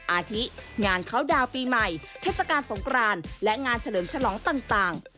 อาทิงานเขาดาวน์ปีใหม่เทศกาลสงครานและงานเฉลิมฉลองต่าง